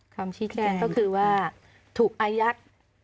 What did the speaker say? คำชี้แจงก็คือว่าถูกอายัด